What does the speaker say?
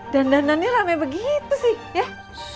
dandanannya rame begitu sih